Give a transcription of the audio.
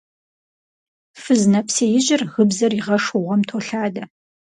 Фыз нэпсеижьыр гыбзэр игъэшу гъуэм толъадэ.